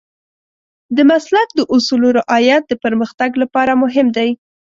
د مسلک د اصولو رعایت د پرمختګ لپاره مهم دی.